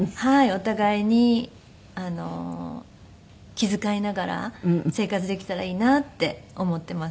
お互いに気遣いながら生活できたらいいなって思っています。